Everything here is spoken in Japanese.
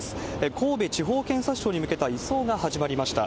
神戸地方検察庁に向けた移送が始まりました。